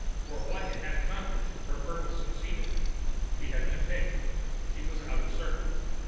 For what it had accomplished, her purpose succeeded. She had been taken. She was out of circuit.